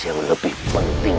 yang lebih penting